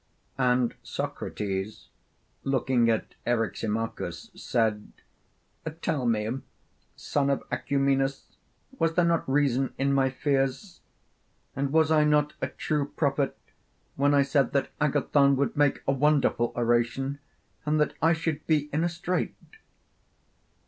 And Socrates, looking at Eryximachus, said: Tell me, son of Acumenus, was there not reason in my fears? and was I not a true prophet when I said that Agathon would make a wonderful oration, and that I should be in a strait?